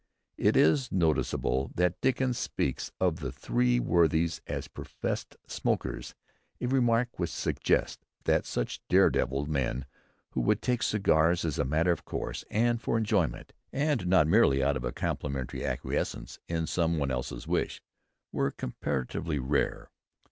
It is noticeable that Dickens speaks of the three worthies as professed smokers, a remark which suggests that such dare devils, men who would take cigars as a matter of course and for enjoyment, and not merely out of a complimentary acquiescence in some one else's wish, were comparatively rare.